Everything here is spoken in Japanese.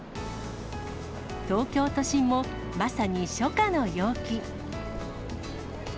東京都心も、まさに初夏の陽気。